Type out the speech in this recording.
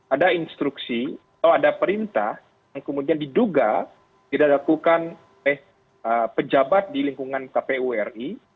ada instruksi atau ada perintah yang kemudian diduga tidak lakukan pejabat di lingkungan kpuri